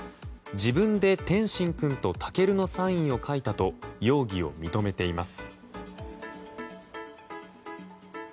自分で天心君と武尊のサインを書いたと容疑を認めています。